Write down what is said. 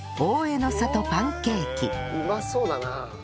うまそうだな。